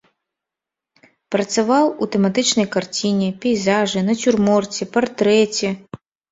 Працаваў у тэматычнай карціне, пейзажы, нацюрморце, партрэце.